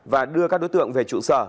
và đưa các đối tượng về trụ sở